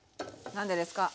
何でですか？